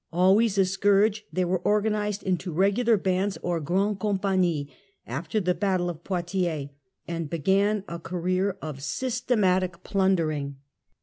Always a scourge, they were organised into regular bands or grand companies after the battle of Poitiers and began a career of system FEENCH HISTOEY, 1328 1380 145 atic plundering.